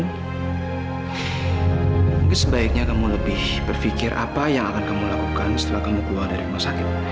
mungkin sebaiknya kamu lebih berpikir apa yang akan kamu lakukan setelah kamu keluar dari rumah sakit